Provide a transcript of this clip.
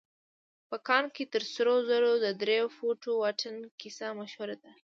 په کان کې تر سرو زرو د درې فوټه واټن کيسه مشهوره ده.